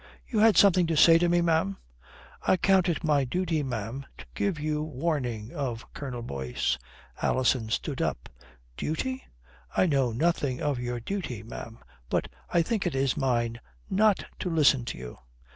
"You had something to say to me, ma'am?" "I count it my duty, ma'am, to give you warning of Colonel Boyce." Alison stood up. "Duty? I know nothing of your duty, ma'am. But I think it is mine not to listen to you."